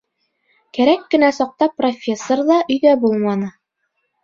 Кәрәк кенә саҡта профессор ҙа өйҙә булманы.